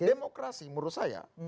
demokrasi menurut saya